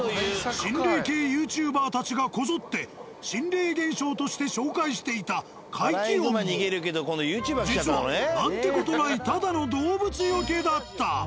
心霊系ＹｏｕＴｕｂｅｒたちがこぞって心霊現象として紹介していた怪奇音も実は何て事ないただの動物除けだった。